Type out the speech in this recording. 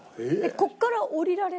ここから下りられる？